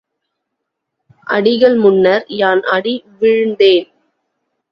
அடிகள் முன்னர் யான் அடி வீழ்ந்தேன்.